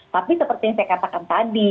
tapi seperti yang saya katakan tadi